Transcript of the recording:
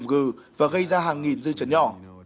pinatubo gầm gừ và gây ra hàng nghìn dư chấn nhỏ